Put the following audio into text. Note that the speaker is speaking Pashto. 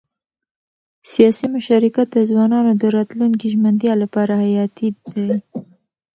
سیاسي مشارکت د ځوانانو د راتلونکي ژمنتیا لپاره حیاتي دی